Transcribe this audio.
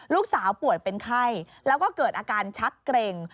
ลูกสาวป่วยเป็นไข้แล้วก็เกิดอาการชักเกร็ง